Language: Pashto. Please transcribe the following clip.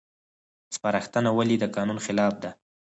سپارښتنه ولې د قانون خلاف ده؟